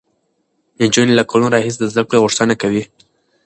نجونې له کلونو راهیسې د زده کړې غوښتنه کوي.